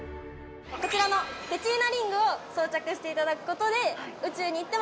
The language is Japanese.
こちらのペチーナリングを装着していただくことで・よかった！